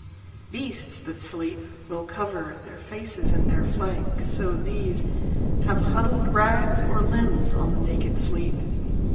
Beasts that sleep will coverTheir faces in their flank; so theseHave huddled rags or limbs on the naked sleep.